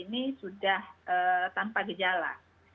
ini sudah tanpa gejala